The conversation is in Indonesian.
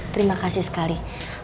terima kasih sekali